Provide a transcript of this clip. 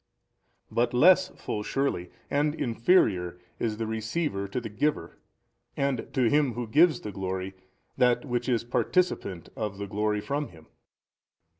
but less full surely and inferior is the receiver to the giver and to him who gives the glory that which is participant of the glory from him.